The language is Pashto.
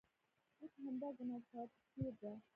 اوس همدا ګناه د ثواب په څېر ده.